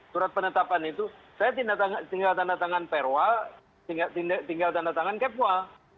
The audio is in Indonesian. surat penetapan itu saya tinggal tanda tangan perwa tinggal tanda tangan kepol